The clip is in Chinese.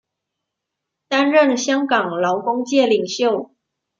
担任香港劳工界领袖。